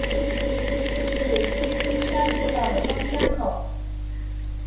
是七星山步道的登山口。